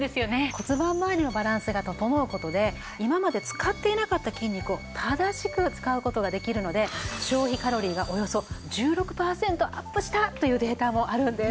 骨盤まわりのバランスが整う事で今まで使っていなかった筋肉を正しく使う事ができるので消費カロリーがおよそ１６パーセントアップしたというデータもあるんです。